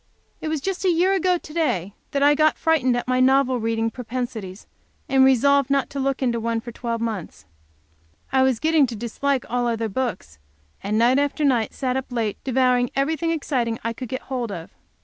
It is just a year ago to day that I got frightened at my novel reading propensities, and resolved not to look into one for twelve months. I was getting to dislike all other books, and night after night sat up late, devouring everything exciting I could get hold of.